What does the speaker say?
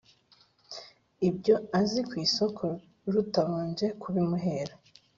ibyo azi ku isoko rutabanje kubimuhera